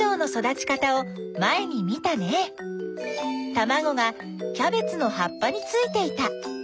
たまごがキャベツのはっぱについていた。